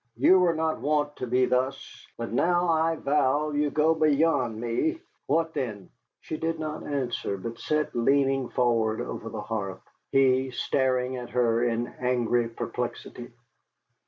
"You were not wont to be thus. But now I vow you go beyond me. What then?" She did not answer, but sat leaning forward over the hearth, he staring at her in angry perplexity.